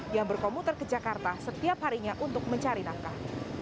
yang berkomuter ke jakarta setiap harinya untuk mencari nafkah